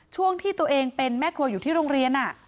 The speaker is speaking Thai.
ช่วงที่ตัวเองเป็นแม่ครัวอยู่ที่โรงเรียน